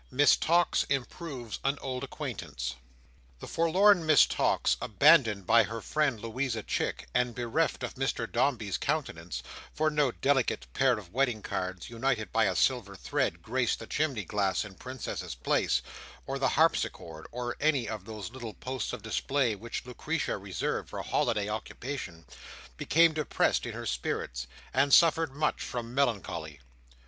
Miss Tox improves an Old Acquaintance The forlorn Miss Tox, abandoned by her friend Louisa Chick, and bereft of Mr Dombey's countenance—for no delicate pair of wedding cards, united by a silver thread, graced the chimney glass in Princess's Place, or the harpsichord, or any of those little posts of display which Lucretia reserved for holiday occupation—became depressed in her spirits, and suffered much from melancholy.